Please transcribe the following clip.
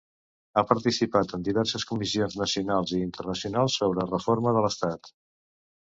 Ha participat en diverses comissions nacionals i internacionals sobre reforma de l'Estat.